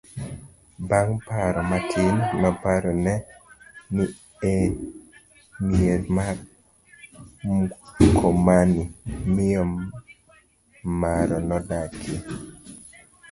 bang' paro matin, noparo ni e mier mar Mkomani miyo maro nodakie